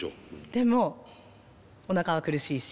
でもおなかは苦しいし。